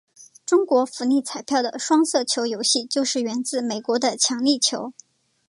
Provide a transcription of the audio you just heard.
中国福利彩票的双色球游戏就是源自美国的强力球。